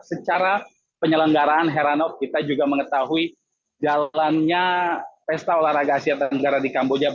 secara penyelenggaraan heranov kita juga mengetahui jalannya pesta olahraga asia tenggara di kamboja